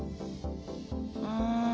うん。